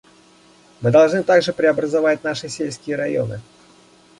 Мы должны также преобразовать наши сельские районы.